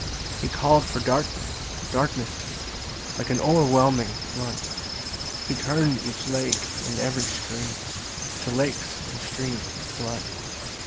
10 He call'd for darkness; darkness came Like an o'erwhelming flood; He turn'd each lake and every stream To lakes and streams of blood.